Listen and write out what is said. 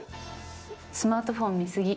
スマートフォン見過ぎ。